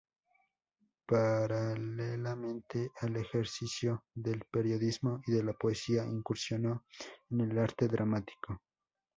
Paralelamente al ejercicio del periodismo y de la poesía, incursionó en el arte dramático.